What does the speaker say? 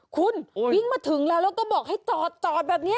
คุณวิ่งมาถึงแล้วแล้วก็บอกให้จอดแบบนี้